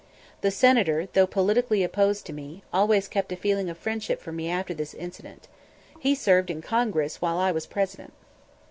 The Senator, though politically opposed to me, always kept a feeling of friendship for me after this incident. He served in Congress while I was President.